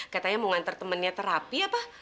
katanya mau ngantar temennya terapi apa